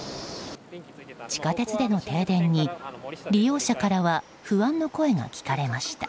地下鉄での停電に利用者からは不安の声が聞かれました。